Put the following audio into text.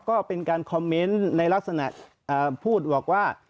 ก็เป็นการคอมเมนต์ในลักษณะพูดบอกว่า